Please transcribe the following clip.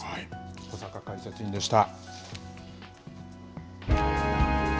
小坂解説委員でした。